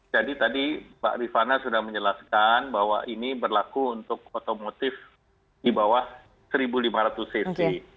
jadi tadi pak rifana sudah menjelaskan bahwa ini berlaku untuk otomotif di bawah satu lima ratus cc